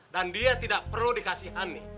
dan dia tidak perlu dikasihan nih